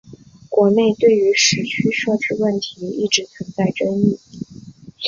国内对于时区设置问题一直存在争议。